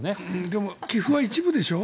でも寄付は一部でしょ。